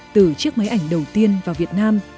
từ chiếc máy ảnh đầu tiên vào việt nam